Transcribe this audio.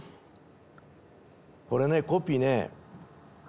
これねコピーね。